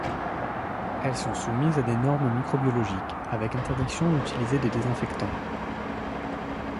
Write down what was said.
Elles sont soumises à des normes microbiologiques, avec interdiction d'utiliser des désinfectants.